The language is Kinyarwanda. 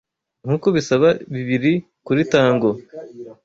Nkuko bisaba bibiri kuri tango